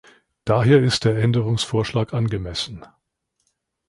Daher ist der Änderungsvorschlag angemessen.